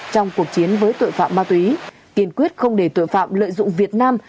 trong cuộc chiến với tội phạm ma túy kiên quyết không để tội phạm lợi dụng việt nam